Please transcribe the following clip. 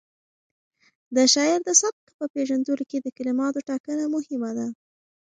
د شاعر د سبک په پېژندلو کې د کلماتو ټاکنه مهمه ده.